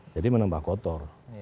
jadi menambah kotor